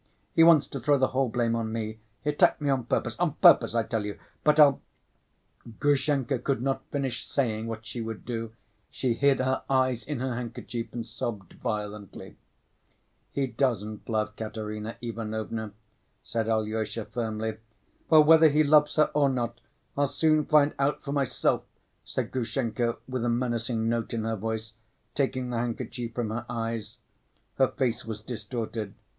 He wants to throw the whole blame on me. He attacked me on purpose, on purpose, I tell you, but I'll—" Grushenka could not finish saying what she would do. She hid her eyes in her handkerchief and sobbed violently. "He doesn't love Katerina Ivanovna," said Alyosha firmly. "Well, whether he loves her or not, I'll soon find out for myself," said Grushenka, with a menacing note in her voice, taking the handkerchief from her eyes. Her face was distorted.